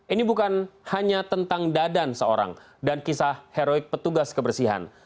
ini bukan hanya tentang dadan seorang dan kisah heroik petugas kebersihan